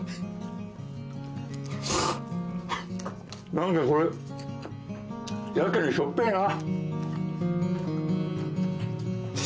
何かこれやけにしょっぺえな。